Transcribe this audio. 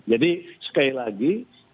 jadi sekali lagi